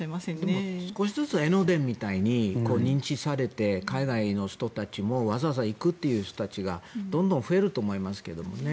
でも少しずつ江ノ電みたいに認知されて海外の人たちもわざわざ行くという人たちがどんどん増えると思いますけどね。